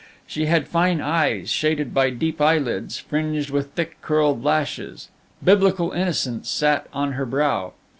She had fine eyes, shaded by deep eyelids, fringed with thick, curled lashes. Biblical innocence sat on her brow.